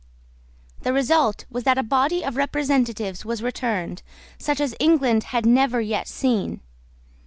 The result was that a body of representatives was returned, such as England had never yet seen.